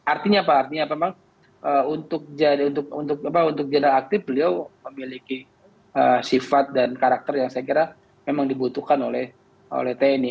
artinya apa artinya memang untuk general aktif beliau memiliki sifat dan karakter yang saya kira memang dibutuhkan oleh tni